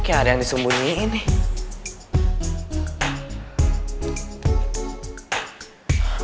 oke ada yang disembunyiin nih